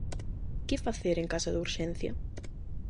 Que facer en caso de urxencia?